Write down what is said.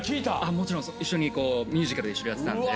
もちろんミュージカル一緒にやってたんで。